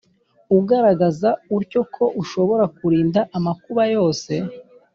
ugaragaza utyo ko ushobora kurinda amakuba yose,